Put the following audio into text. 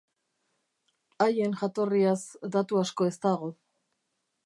Haien jatorriaz datu asko ez dago.